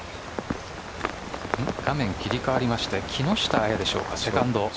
画面、切り替わりまして木下彩でしょうか、セカンド。